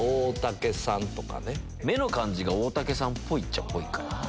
目の感じが大竹さんっぽいっちゃあぽい。